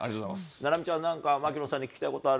菜波ちゃん、何か槙野さんに聞きたいことある？